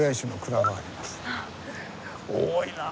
多いなあ